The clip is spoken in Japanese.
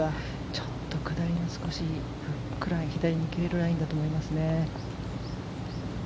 ちょっと下り、少しフックライン左に切れるラインだと思いますね。